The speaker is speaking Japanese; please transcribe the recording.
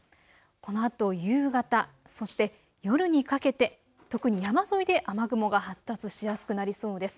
このあと夕方、そして夜にかけて特に山沿いで雨雲が発達しやすくなりそうです。